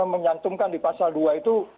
menyantumkan di pasal dua itu